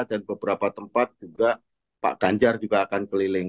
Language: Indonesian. dan beberapa tempat juga pak ganjar juga akan keliling